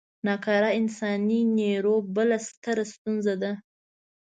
نا کاره انساني نیرو بله ستره ستونزه ده.